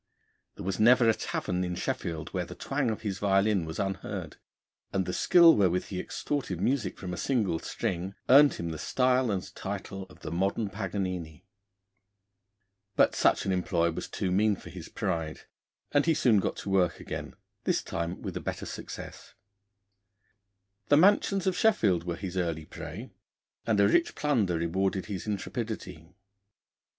There was never a tavern in Sheffield where the twang of his violin was unheard, and the skill wherewith he extorted music from a single string earned him the style and title of the modern Paganini. But such an employ was too mean for his pride, and he soon got to work again this time with a better success. The mansions of Sheffield were his early prey, and a rich plunder rewarded his intrepidity.